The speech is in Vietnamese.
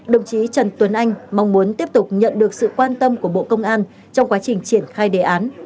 đồng chí trần tuấn anh mong muốn tiếp tục nhận được sự quan tâm của bộ công an trong quá trình triển khai đề án